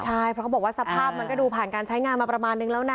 ใช่เพราะเขาบอกว่าสภาพมันก็ดูผ่านการใช้งานมาประมาณนึงแล้วนะ